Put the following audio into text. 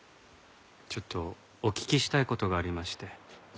ちょっとお聞きしたい事がありまして。